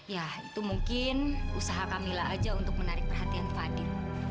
ya itu mungkin usaha camillah aja untuk menarik perhatian fadil